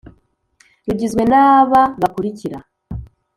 rugizwe n’aba bakurikira